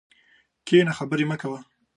کښېنه خبري مه کوه!